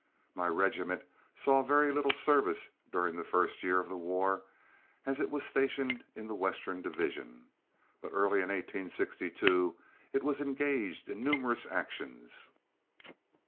My regiment saw very little service during the first year of the war, as it was stationed in the western division, but early in 1862 it was engaged in numerous actions.